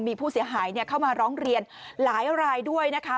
มีผู้เสียหายเข้ามาร้องเรียนหลายรายด้วยนะคะ